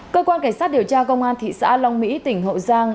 cơ quan cảnh sát điều tra công an thị xã long mỹ tỉnh hậu giang